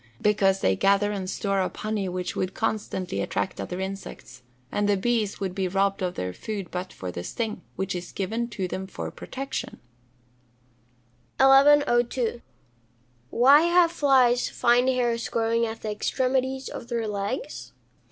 _ Because they gather and store up honey which would constantly attract other insects, and the bees would be robbed of their food but for the sting, which is given to them for protection. 1102. _Why have flies fine hairs growing at the extremities of their legs?